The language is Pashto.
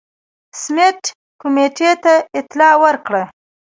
سمیت کمېټې ته اطلاع ورکړه.